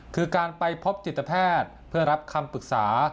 คือการไปพบจิตแพทย์เพื่อรับคำปรึกษา